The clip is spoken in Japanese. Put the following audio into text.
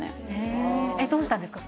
へえどうしたんですか？